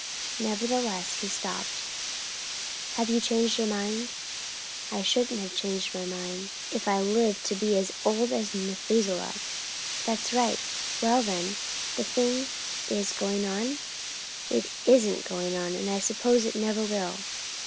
Nevertheless he stopped. "Have you changed your mind?" "I shouldn't change my mind, if I lived to be as old as Methuselah!" "That's right. Well, then, the thing is going on?" "It isn't going on! and I suppose it never will!"